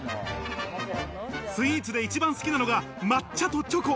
スイーツで一番好きなのが抹茶とチョコ。